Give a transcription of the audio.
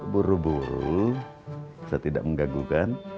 buru buru bisa tidak menggaguhkan